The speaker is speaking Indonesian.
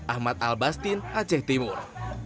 ahmad al bastin aceh timur